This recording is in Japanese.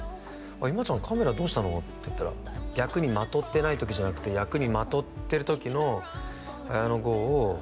「今ちゃんカメラどうしたの？」って言ったら「役にまとってない時じゃなくて役にまとってる時の綾野剛を」